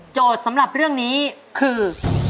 โจทย์สำหรับเรื่องนี้คือ